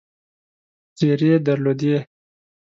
څېرې درلودې.